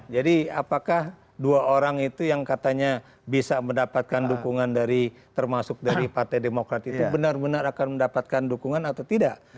jadi apakah dua orang itu yang katanya bisa mendapatkan dukungan dari termasuk dari partai demokrat itu benar benar akan mendapatkan dukungan atau tidak